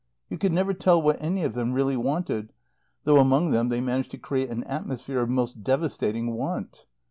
You could never tell what any of them really wanted, though among them they managed to create an atmosphere of most devastating want.